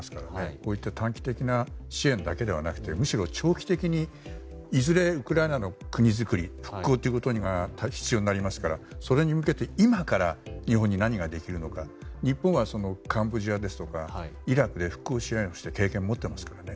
こういった短期的な支援だけではなくてむしろ長期的にいずれ、ウクライナの国づくりにはこういったことが必要になりますからそれに向けて今から日本に何ができるのか日本はカンボジアとかイラクで復興支援をした経験を持っていますからね。